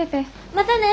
またね。